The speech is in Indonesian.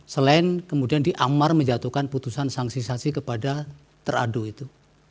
selain kemudian diamar menjatuhkan putusan sanksi sanksi kepada teradu itu